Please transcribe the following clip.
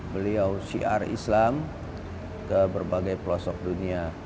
beliau syiar islam ke berbagai pelosok dunia